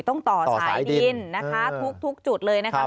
ต้องต่อสายดินนะคะทุกจุดเลยนะครับ